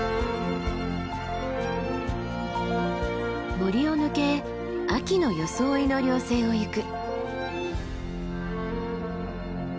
森を抜け秋の装いの稜線を行く。